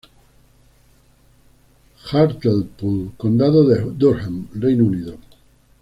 Hartlepool, Condado de Durham, Reino Unido.